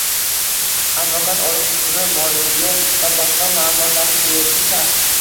advokat olish huquqi borligi va boshqa ma’lumotlarni berishi shart.